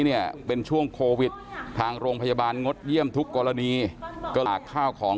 เนี่ยเป็นช่วงโควิดทางโรงพยาบาลงดเยี่ยมทุกกรณีกระหลากข้าวของ